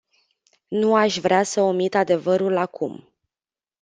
Nu aș vrea să omit adevărul acum.